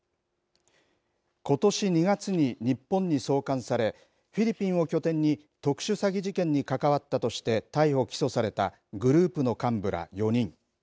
ことし２月に日本に送還されフィリピンを拠点に特殊詐欺事件に関わったとして逮捕・起訴されたグループの幹部ら４人。